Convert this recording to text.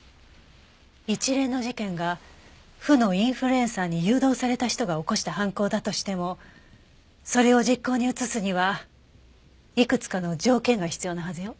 一連の事件が負のインフルエンサーに誘導された人が起こした犯行だとしてもそれを実行に移すにはいくつかの条件が必要なはずよ。